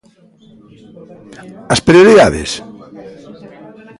¿As prioridades?